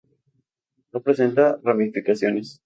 No presenta ramificaciones.